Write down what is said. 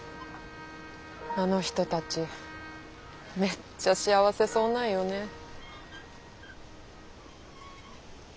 あの人たちめっちゃ幸せそうなんよね。